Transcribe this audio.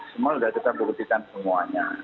semua sudah kita buktikan semuanya